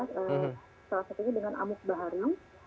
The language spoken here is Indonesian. salah satunya dengan amuk bahari